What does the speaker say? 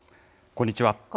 こんにちは。